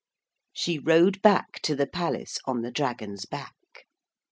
She rode back to the Palace on the dragon's back.